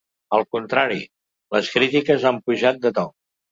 Al contrari, les crítiques han pujat de to.